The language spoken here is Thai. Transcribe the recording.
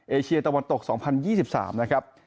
เอเชียตะวันตก๒๐๒๓นะครับ